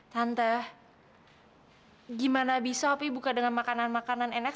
tante gimana bisa tapi buka dengan makanan makanan enak